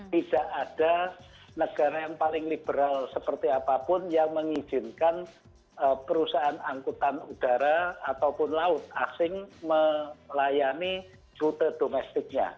tidak ada negara yang paling liberal seperti apapun yang mengizinkan perusahaan angkutan udara ataupun laut asing melayani rute domestiknya